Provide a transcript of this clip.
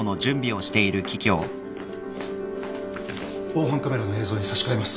防犯カメラの映像に差し替えます。